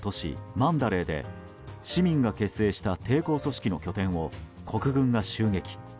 マンダレーで市民が結成した抵抗組織の拠点を国軍が襲撃。